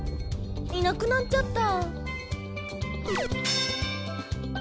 いなくなっちゃった。